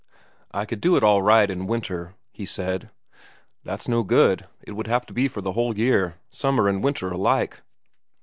"I could do it all right in winter," he said. "That's no good. It would have to be for the whole year, summer and winter alike."